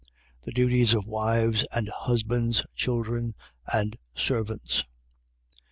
The duties of wives and husbands, children and servants. 3:1.